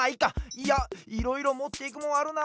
いやいろいろもっていくもんあるな。